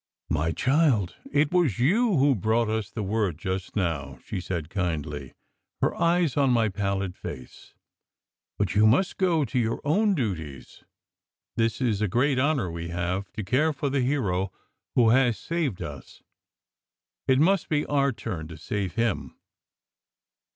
"My child, it was you who brought us the word just now!" she said kindly, her eyes on my pallid face. "But you must go to your own duties. This is a great honour we have, to care for the hero who has saved us. It must be our turn to save him.